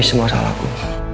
ini semua salahku